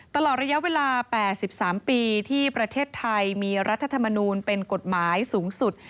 ตลอดระยะเวลา๘๓ปีที่ประเทศไทยมีรัฐธรรมนูลเป็นกฎหมายสูงสุด